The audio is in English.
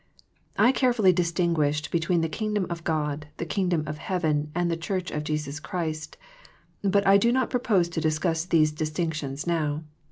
I carefully distinguished between the Kingdom of God, the Kingdom of heaven, and the Church of Jesus Christ, but I do not propose to discuss these distinctions now.